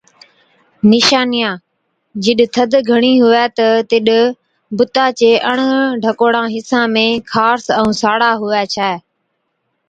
نِشانِيان، جِڏ ٿڌ گھڻِي هُوَي ڇَي تِڏ بُتا چي اڻ ڍڪوڙان حِصان ۾ خارس ائُون ساڙا هُوَي ڇَ۔